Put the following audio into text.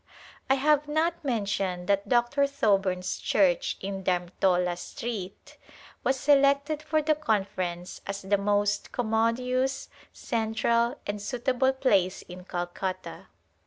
I have not mentioned that Dr. Thoburn's church in Dharmtola Street was selected for the Conference as the most commodious, central and suitable place In Calcutta.